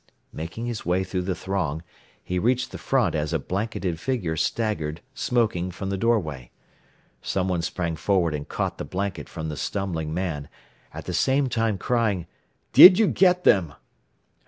Making his way through the throng, he reached the front as a blanketed figure staggered, smoking, from the doorway. Someone sprang forward and caught the blanket from the stumbling man, at the same time crying, "Did you get them?"